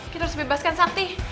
kita harus bebaskan sakti